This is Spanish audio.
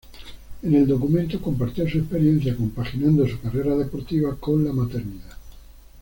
En el documento compartió su experiencia compaginando su carrera deportiva con la maternidad.